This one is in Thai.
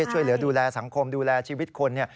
ช่วยเหลือดูแลสังคมดูแลชีวิตคน